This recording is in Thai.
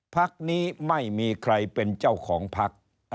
ภักดิ์นี้ไม่มีใครเป็นเจ้าของภักดิ์